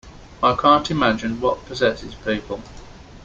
I can't imagine what possesses people.